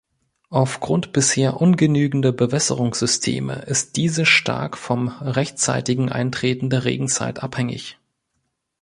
Aufgrund bisher ungenügender Bewässerungssysteme ist diese stark vom rechtzeitigen Eintreten der Regenzeit abhängig.